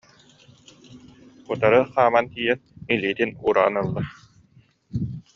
утары хааман тиийэн, илиитин уураан ылла